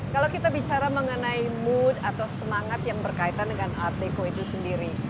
kalau kita bicara mengenai mood atau semangat yang berkaitan dengan art deco itu sendiri